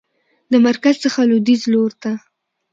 د مرکز څخه لویدیځ لورته